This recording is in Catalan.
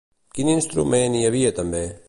Quin instrument hi havia també?